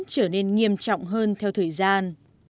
trở nên nghiêm trọng hơn theo thời gian